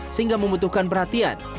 sehingga membutuhkan perhatian